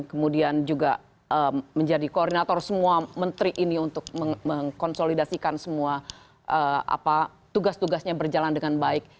kemudian juga menjadi koordinator semua menteri ini untuk mengkonsolidasikan semua tugas tugasnya berjalan dengan baik